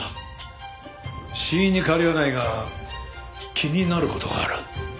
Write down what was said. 死因に変わりはないが気になる事がある。